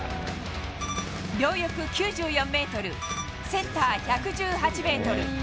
両翼９４メートル、センター１１８メートル。